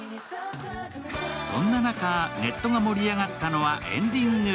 そんな中、ネットが盛り上がったのはエンディング。